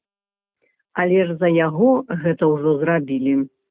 Але ж за яго гэта ўжо зрабілі.